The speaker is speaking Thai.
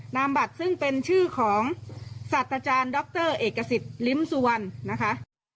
นามบัตรซึ่งเป็นชื่อของสัตว์อาจารย์ดรเอกสิทธิ์ลิ้มสุวรรณนะคะ